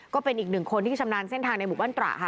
ก็เป็นอีกหนึ่งคนที่ชำนาญเส้นทางในหมู่บ้านตระค่ะ